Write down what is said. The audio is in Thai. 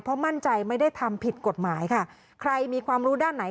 เพราะมั่นใจไม่ได้ทำผิดกฎหมายค่ะใครมีความรู้ด้านไหน